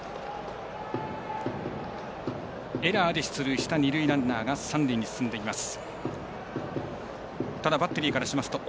エラーで出塁した二塁ランナーが三塁に進んでいます。